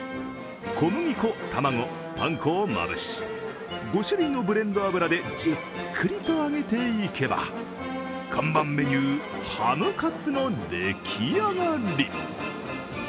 小麦粉、卵、パン粉をまぶし、５種類のブレンド油でじっくりと揚げていけば看板メニューハムカツの出来上がり。